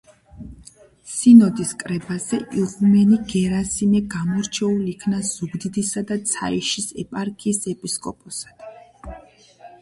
სინოდის კრებაზე იღუმენი გერასიმე გამორჩეულ იქნა ზუგდიდისა და ცაიშის ეპარქიის ეპისკოპოსად.